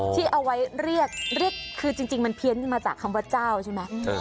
ที่เอาไว้เรียกเรียกคือจริงมันเพี้ยนมาจากคำว่าเจ้าใช่ไหม